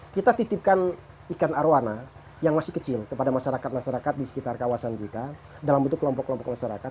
kita titipkan ikan arowana yang masih kecil kepada masyarakat masyarakat di sekitar kawasan kita dalam bentuk kelompok kelompok masyarakat